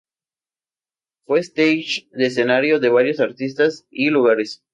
Fue stage de escenario de varios artistas y lugares.